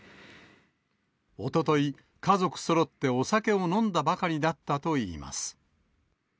おととい、家族そろってお酒を飲んだばかりだったといいます。